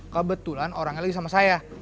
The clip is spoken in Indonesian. kebetulan orangnya lagi sama saya